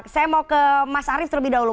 saya mau ke mas arief terlebih dahulu